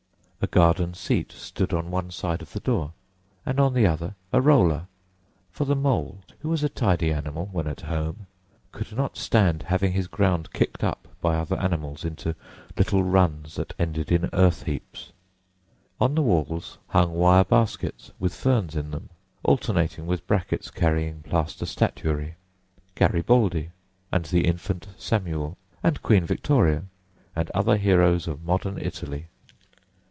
A garden seat stood on one side of the door, and on the other a roller; for the Mole, who was a tidy animal when at home, could not stand having his ground kicked up by other animals into little runs that ended in earth heaps. On the walls hung wire baskets with ferns in them, alternating with brackets carrying plaster statuary—Garibaldi, and the infant Samuel, and Queen Victoria, and other heroes of modern Italy.